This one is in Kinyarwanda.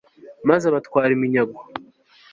maze abatwara iminyago